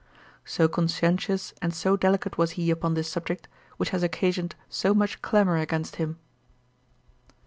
So conscientious and so delicate was he upon this subject, which has occasioned so much clamour against him.